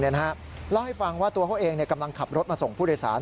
เล่าให้ฟังว่าตัวเขาเองกำลังขับรถมาส่งผู้โดยสาร